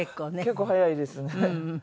結構早いですね。